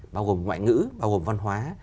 bao gồm ngoại ngữ bao gồm văn hóa